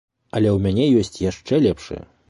Але ў мяне ёсць яшчэ лепшая.